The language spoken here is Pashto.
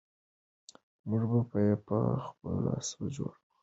موږ به یې په خپلو لاسونو جوړ کړو.